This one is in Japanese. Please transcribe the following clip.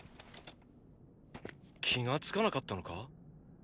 気が付かなかったのか？